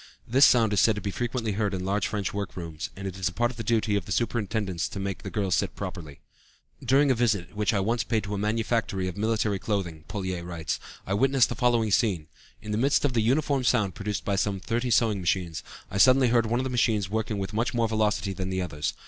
This sound is said to be frequently heard in large French workrooms, and it is part of the duty of the superintendents of the rooms to make the girls sit properly. "During a visit which I once paid to a manufactory of military clothing," Pouillet writes, "I witnessed the following scene. In the midst of the uniform sound produced by some thirty sewing machines, I suddenly heard one of the machines working with much more velocity than the others.